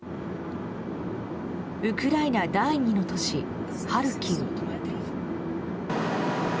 ウクライナ第２の都市ハルキウ。